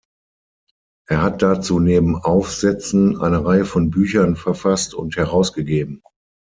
Er hat dazu neben Aufsätzen eine Reihe von Büchern verfasst und herausgegeben.